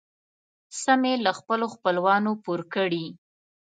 څه مې له خپلو خپلوانو پور کړې.